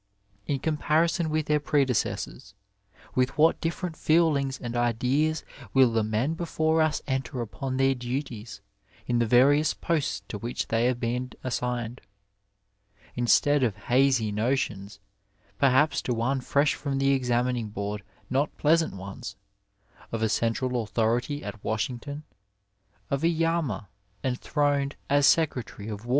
In comparison with their predecessors, with what different feelings and ideas will the men before us enter upon their duties in the various posts to which they have been assigned. Instead of hazy notions— perhaps to one fresh from the Examining Board not pleasant ones — of a central authority at Washington, of a Tama enthroned as Secretary of 1 Anny Medical School Washington, Febraary 28, 1894.